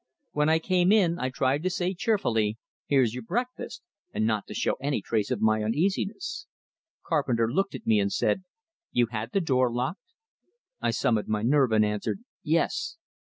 When I came in, I tried to say cheerfully, "Here's your breakfast," and not to show any trace of my uneasiness. Carpenter looked at me, and said: "You had the door locked?" I summoned my nerve, and answered, "Yes."